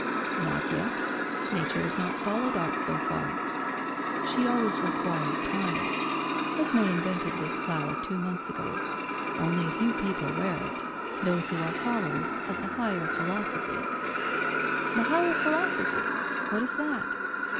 "Not yet. Nature has not followed art so far. She always requires time. Esmé invented this flower two months ago. Only a few people wear it, those who are followers of the higher philosophy." "The higher philosophy! What is that?"